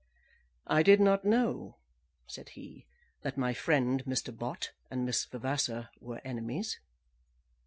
"I did not know," said he, "that my friend Mr. Bott and Miss Vavasor were enemies."